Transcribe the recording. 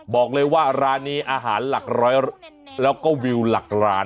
บอกเลยว่าร้านนี้อาหารหลักร้อยแล้วก็วิวหลักร้าน